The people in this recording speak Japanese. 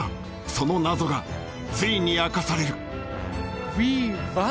その謎がついに明かされるヴィヴァン